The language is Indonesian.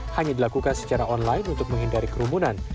hanya dilakukan secara online untuk menghindari kerumunan